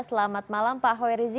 selamat malam pak hoi rizi